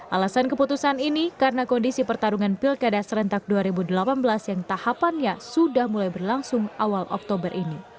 alasan keputusan ini karena kondisi pertarungan pilkada serentak dua ribu delapan belas yang tahapannya sudah mulai berlangsung awal oktober ini